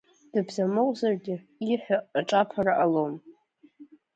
Дыбзамыҟәзаргьы, ииҳәо аҿаԥара ҟалом.